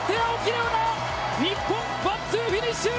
日本、ワンツーフィニッシュ！